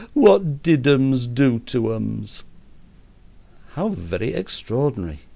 What did ums do to ums?" "How very extraordinary!"